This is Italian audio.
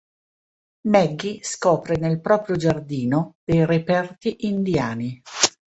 Maggie scopre nel proprio giardino dei reperti indiani.